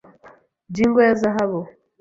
jingle ya zahabu.